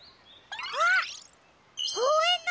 あっこうえんのえだ！